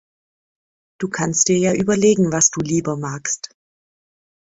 Du kannst dir ja überlegen, was du lieber magst.